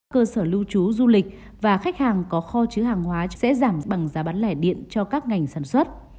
cơ sở lưu trú du lịch và khách hàng có kho chứa hàng hóa sẽ giảm bằng giá bán lẻ điện cho các ngành sản xuất